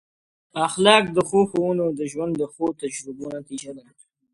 اخلاق د ښو ښوونو او د ژوند د ښو تجربو نتیجه ده.